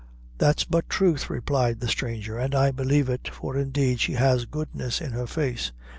"That's but truth," replied the stranger, "and I believe it; for indeed she has goodness in her face."